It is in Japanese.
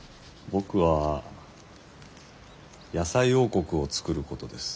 僕は野菜王国を作ることです。